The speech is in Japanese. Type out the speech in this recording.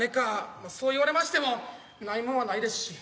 まあそう言われましてもないもんはないですし。